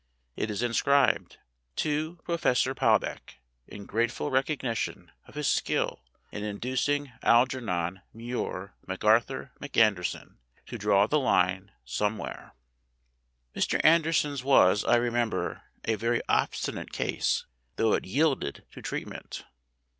It is inscribed: TO PROFESSOR PALBECK, IN GRATEFUL RECOGNITION OF HIS SKILL IN INDUCING ALGERNON MUIR McARTHUR McANDERSON TO DRAW THE LINE SOMEWHERE, Mr. McAnderson's was, I remember, a very obsti nate case, though it yielded to treatment.